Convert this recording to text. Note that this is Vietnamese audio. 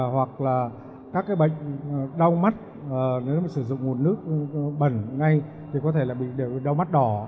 hoặc là các cái bệnh đau mắt nếu mà sử dụng nguồn nước bẩn ngay thì có thể là bị đau mắt đỏ